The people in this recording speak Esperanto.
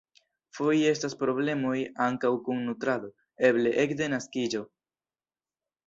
Foje estas problemoj ankaŭ kun nutrado, eble ekde naskiĝo.